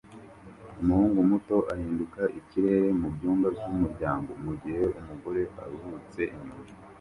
Umuhungu muto ahinduka ikirere mubyumba byumuryango mugihe umugore aruhutse inyuma